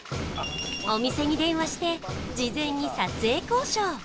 お店に電話して事前に撮影交渉